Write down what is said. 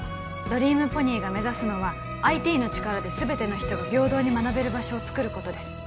ドリームポニーが目指すのはＩＴの力で全ての人が平等に学べる場所をつくることです